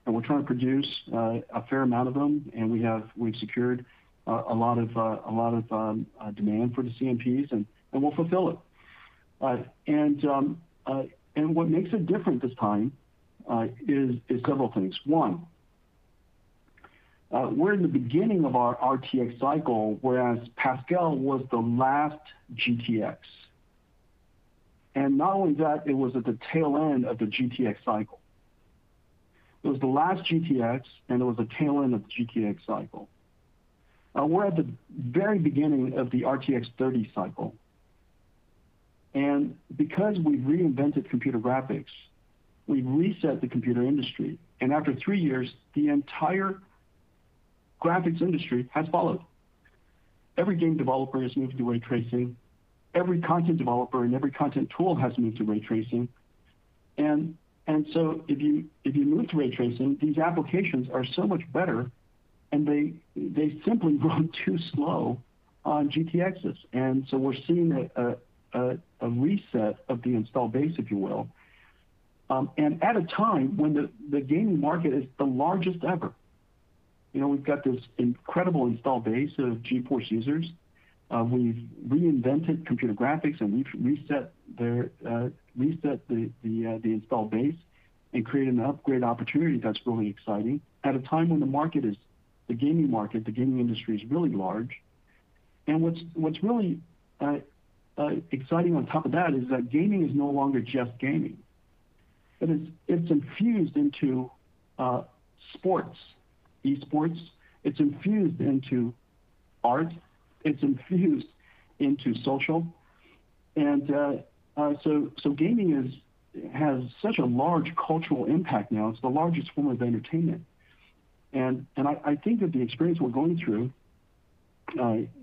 [SPEAKER 6] We'll try to produce a fair amount of them, and we've secured a lot of demand for the CMPs, and we'll fulfill it. What makes it different this time is several things. One, we're in the beginning of our RTX cycle, whereas Pascal was the last GTX. Not only that, it was at the tail end of the GTX cycle. It was the last GTX, and it was the tail end of the GTX cycle. Now we're at the very beginning of the RTX 30 cycle, and because we reinvented computer graphics, we reset the computer industry. After three years, the entire graphics industry has followed. Every game developer has moved to ray tracing. Every content developer and every content tool has moved to ray tracing. If you move to ray tracing, these applications are so much better, and they simply run too slow on GTXs but we're seeing a reset of the install base, if you will. At a time when the gaming market is the largest ever. We've got this incredible install base of GeForce users. We've reinvented computer graphics, and we've reset the install base and created an upgrade opportunity that's really exciting at a time when the gaming industry is really large. What's really exciting on top of that is that gaming is no longer just gaming. It's infused into sports, e-sports. It's infused into art. It's infused into social. Gaming has such a large cultural impact now. It's the largest form of entertainment. I think that the experience we're going through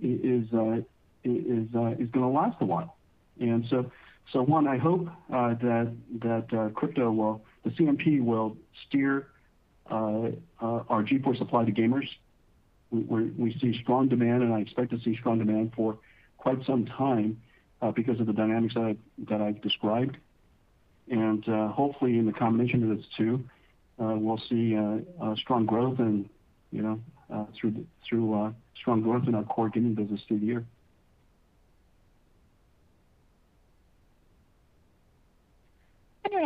[SPEAKER 6] is going to last a while. One, I hope that the CMP will steer our GeForce supply to gamers. We see strong demand, and I expect to see strong demand for quite some time because of the dynamics that I described. Hopefully, in the combination of those two, we'll see strong growth in our core gaming business through the year.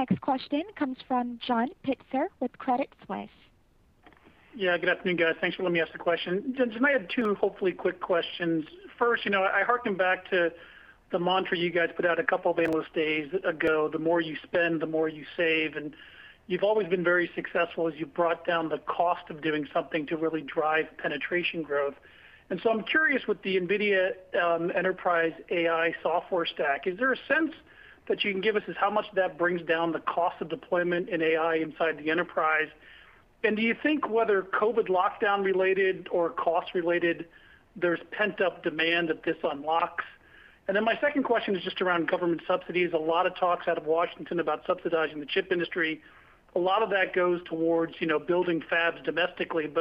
[SPEAKER 1] The next question comes from John Pitzer with Credit Suisse.
[SPEAKER 9] I have two hopefully quick questions. First, I harken back to the mantra you guys put out a couple of business days ago, "The more you spend, the more you save." You've always been very successful as you've brought down the cost of doing something to really drive penetration growth. I'm curious with the NVIDIA Enterprise AI software stack, is there a sense that you can give us as how much that brings down the cost of deployment in AI inside the enterprise? Do you think whether COVID lockdown related or cost related, there's pent-up demand that this unlocks? My second question is just around government subsidies. A lot of talks out of Washington about subsidizing the chip industry. A lot of that goes towards building fabs domestically.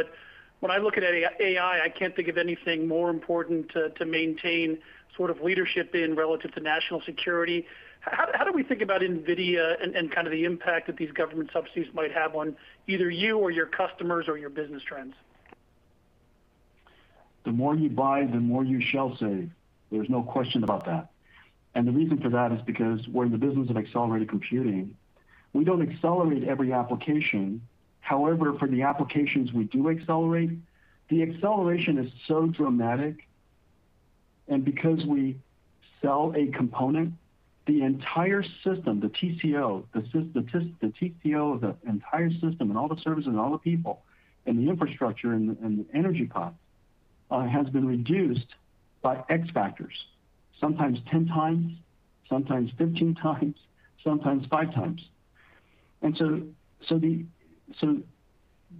[SPEAKER 9] When I look at AI, I can't think of anything more important to maintain leadership in relative to national security. How do we think about NVIDIA and the impact that these government subsidies might have on either you or your customers or your business trends?
[SPEAKER 6] The more you buy, the more you shall save. There's no question about that. The reason for that is because we're in the business of accelerated computing. We don't accelerate every application. However, for the applications we do accelerate, the acceleration is so dramatic because we sell a component, the entire system, the TCO of the entire system, and all the servers, and all the people, and the infrastructure, and the energy costs has been reduced by X factors. Sometimes 10 times, sometimes 15 times, sometimes five times. When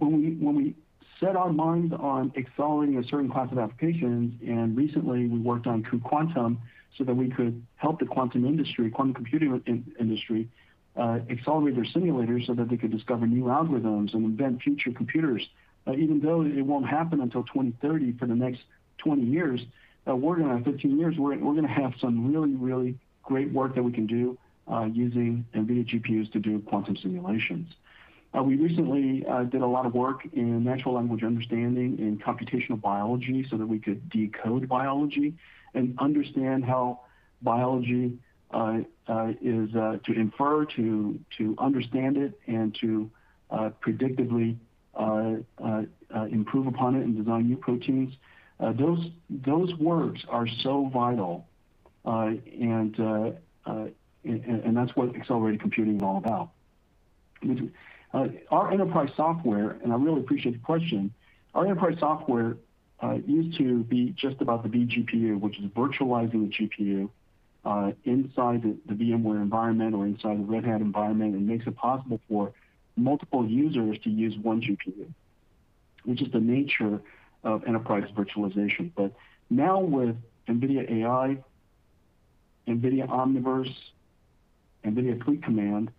[SPEAKER 6] we set our minds on accelerating a certain class of applications, recently we worked on true quantum so that we could help the quantum computing industry accelerate their simulators so that they could discover new algorithms and invent future computers. Even though it won't happen until 2030, for the next 20 years, or going on 15 years, we're going to have some really, really great work that we can do using NVIDIA GPUs to do quantum simulations. We recently did a lot of work in natural language understanding in computational biology so that we could decode biology and understand how biology is to infer, to understand it, and to predictively improve upon it, and design new proteins. Those works are so vital, and that's what accelerated computing is all about. Our enterprise software, and I really appreciate the question, our enterprise software used to be just about the vGPU, which is virtualizing the GPU inside the VMware environment or inside the Red Hat environment, it makes it possible for multiple users to use one GPU, which is the nature of enterprise virtualization. Now with NVIDIA AI, NVIDIA Omniverse, NVIDIA Fleet Command,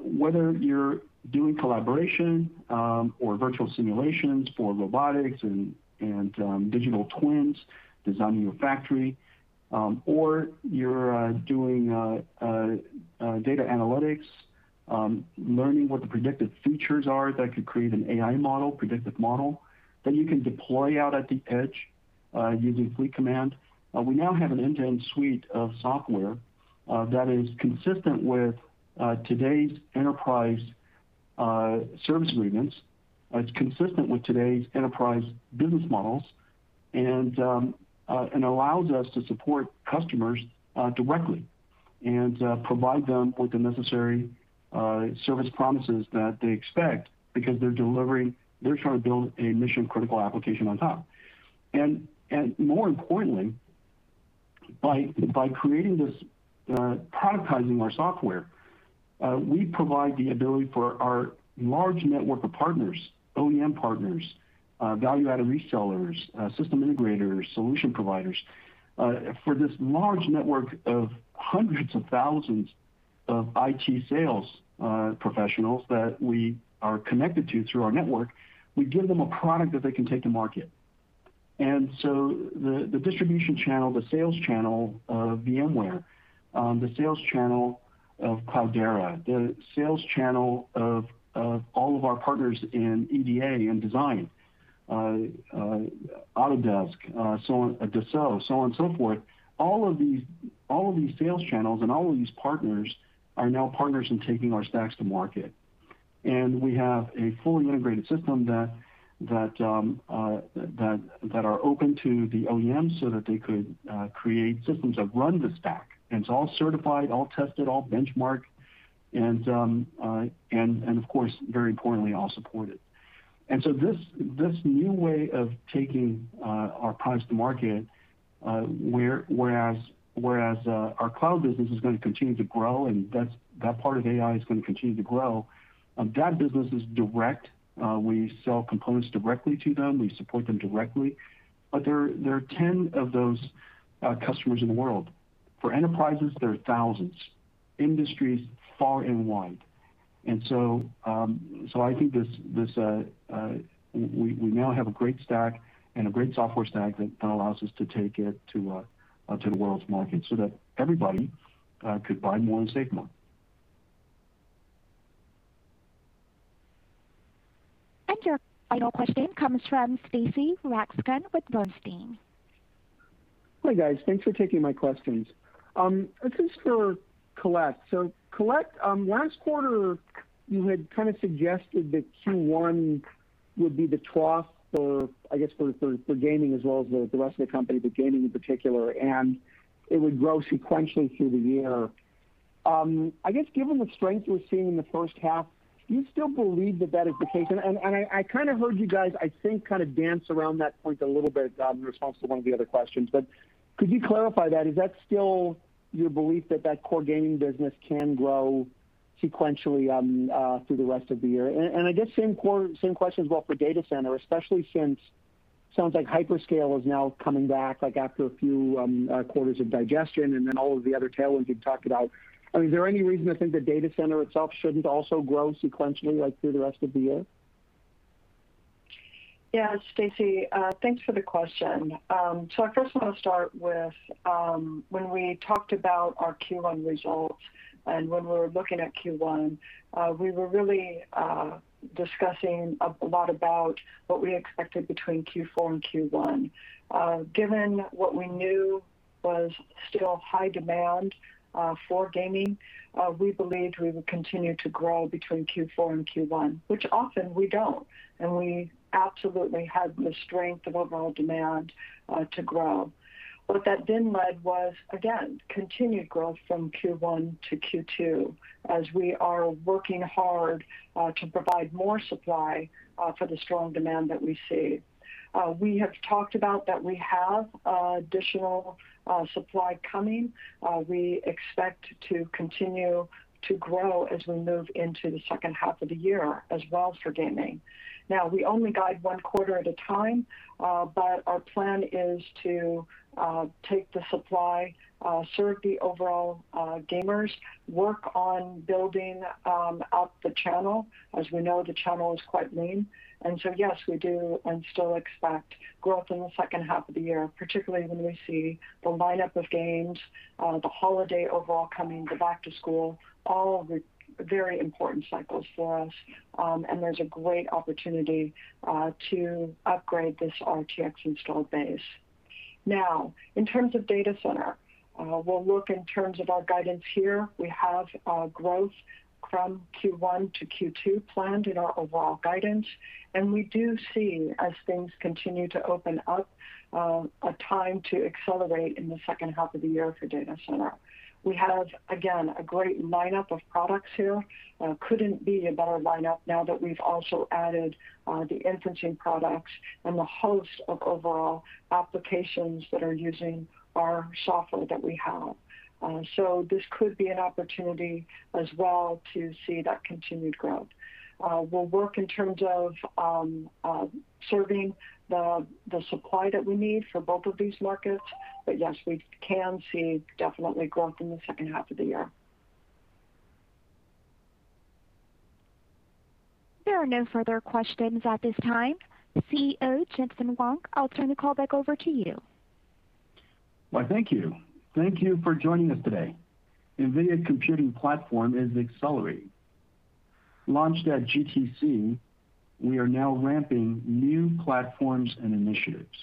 [SPEAKER 6] whether you're doing collaboration or virtual simulations for robotics and digital twins designing your factory, or you're doing data analytics, learning what the predictive features are that could create an AI model, predictive model, that you can deploy out at the edge using Fleet Command. We now have an end-to-end suite of software that is consistent with today's enterprise service agreements. It's consistent with today's enterprise business models, and allows us to support customers directly and provide them with the necessary service promises that they expect because they're trying to build a mission-critical application on top. More importantly, by productizing our software, we provide the ability for our large network of partners, OEM partners, value-added resellers, system integrators, solution providers, for this large network of hundreds of thousands of IT sales professionals that we are connected to through our network, we give them a product that they can take to market. The distribution channel, the sales channel of VMware, the sales channel of Cloudera, the sales channel of all of our partners in EDA and design, Autodesk, Dassault, so on and so forth, all of these sales channels and all of these partners are now partners in taking our stacks to market. We have a fully integrated system that are open to the OEMs so that they could create systems that run this stack. It's all certified, all tested, all benchmarked, and of course, very importantly, all supported. This new way of taking our products to market, whereas our cloud business is going to continue to grow, and that part of AI is going to continue to grow. That business is direct. We sell components directly to them. We support them directly but there are 10 of those customers in the world. For enterprises, there are thousands, industries far and wide. I think we now have a great stack and a great software stack that allows us to take it to the world's market so that everybody could buy more and save more.
[SPEAKER 1] Thank you. Your final question comes from Stacy Rasgon with Bernstein.
[SPEAKER 10] Hi, guys. Thanks for taking my questions. This is for Colette. Colette, last quarter, you had suggested that Q1 would be the trough for, I guess, for gaming as well as the rest of the company, but gaming in particular, and it would grow sequentially through the year. I guess given the strength we're seeing in the first half, do you still believe that that is the case? I heard you guys, I think, dance around that point a little bit in response to one of the other questions, but could you clarify that? Is that still your belief that that core gaming business can grow sequentially through the rest of the year? I guess same question about the data center, especially since sounds like hyperscale is now coming back after a few quarters of digestion and then all of the other tailwinds we've talked about. Is there any reason to think the data center itself shouldn't also grow sequentially through the rest of the year?
[SPEAKER 3] Yeah, Stacy, thanks for the question. I first want to start with when we talked about our Q1 results, and when we were looking at Q1, we were really discussing a lot about what we expected between Q4 and Q1. Given what we knew was still high demand for gaming, we believed we would continue to grow between Q4 and Q1, which often we don't. We absolutely had the strength of overall demand to grow. What that then led was, again, continued growth from Q1 to Q2, as we are working hard to provide more supply for the strong demand that we see. We have talked about that we have additional supply coming. We expect to continue to grow as we move into the second half of the year as well for gaming. Now, we only guide one quarter at a time, but our plan is to take the supply, serve the overall gamers, work on building out the channel. As we know, the channel is quite lean. Yes, we do still expect growth in the second half of the year, particularly when we see the lineup of games, the holiday overall coming, the back to school, all of the very important cycles for us. There's a great opportunity to upgrade this RTX install base. Now, in terms of data center, we'll look in terms of our guidance here. We have growth from Q1 to Q2 planned in our overall guidance, and we do see, as things continue to open up, a time to accelerate in the second half of the year for data center. We have, again, a great lineup of products here and it couldn't be a better lineup now that we've also added the inferencing products and the host of overall applications that are using our software that we have. This could be an opportunity as well to see that continued growth. We'll work in terms of serving the supply that we need for both of these markets. Yes, we can see definitely growth in the second half of the year.
[SPEAKER 1] There are no further questions at this time. CEO Jensen Huang, I'll turn the call back over to you.
[SPEAKER 6] Well, thank you. Thank you for joining us today. NVIDIA computing platform is accelerating. Launched at GTC, we are now ramping new platforms and initiatives.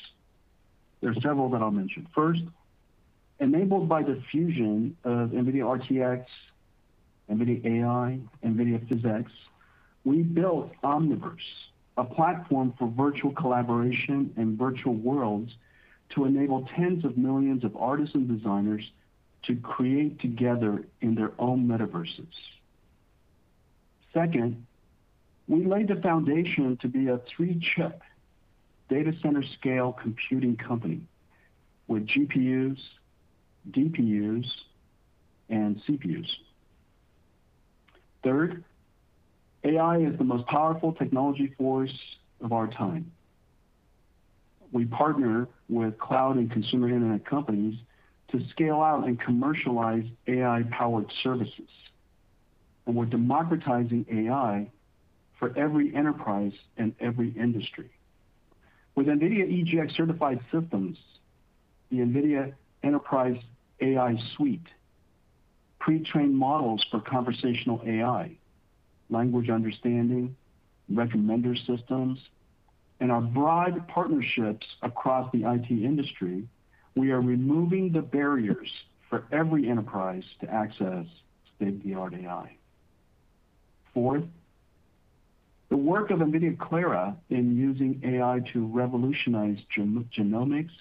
[SPEAKER 6] There are several that I'll mention. First, enabled by the fusion of NVIDIA RTX, NVIDIA AI, NVIDIA PhysX, we built Omniverse, a platform for virtual collaboration and virtual worlds to enable tens of millions of artists and designers to create together in their own metaverses. Second, we laid the foundation to be a three-chip data center scale computing company with GPUs, DPUs, and CPUs. Third, AI is the most powerful technology force of our time. We partner with cloud and consumer Internet companies to scale out and commercialize AI-powered services, and we're democratizing AI for every enterprise and every industry. With NVIDIA EGX certified systems, the NVIDIA Enterprise AI suite, pre-trained models for conversational AI, language understanding, recommender systems, and our broad partnerships across the IT industry, we are removing the barriers for every enterprise to access state-of-the-art AI. Fourth, the work of NVIDIA Clara in using AI to revolutionize genomics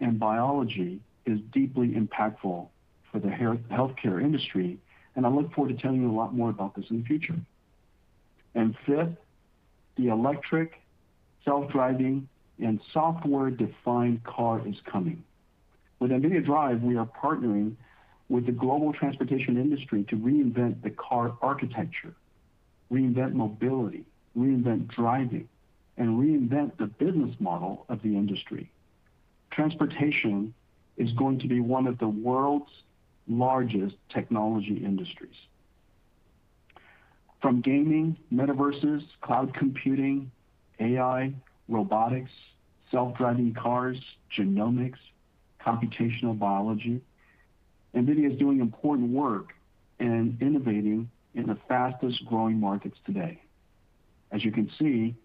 [SPEAKER 6] and biology is deeply impactful for the healthcare industry, and I look forward to telling you a lot more about this in the future. Fifth, the electric, self-driving, and software-defined car is coming. With NVIDIA DRIVE, we are partnering with the global transportation industry to reinvent the car architecture, reinvent mobility, reinvent driving, and reinvent the business model of the industry. Transportation is going to be one of the world's largest technology industries. From gaming, metaverses, cloud computing, AI, robotics, self-driving cars, genomics, computational biology, NVIDIA is doing important work and innovating in the fastest-growing markets today. As you can see,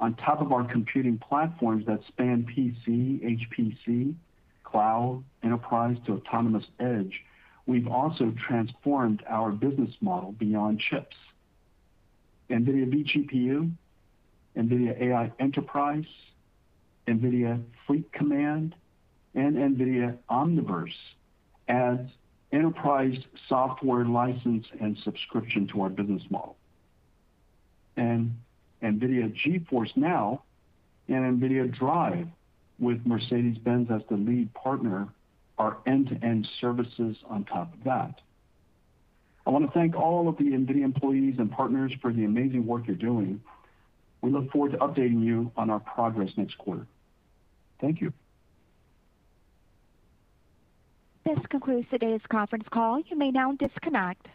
[SPEAKER 6] on top of our computing platforms that span PC, HPC, cloud, enterprise to autonomous edge, we've also transformed our business model beyond chips. NVIDIA vGPU, NVIDIA AI Enterprise, NVIDIA Fleet Command, and NVIDIA Omniverse add enterprise software license and subscription to our business model. NVIDIA GeForce NOW and NVIDIA DRIVE, with Mercedes-Benz as the lead partner, are end-to-end services on top of that. I want to thank all of the NVIDIA employees and partners for the amazing work you're doing. We look forward to updating you on our progress next quarter. Thank you.
[SPEAKER 1] This concludes today's conference call. You may now disconnect.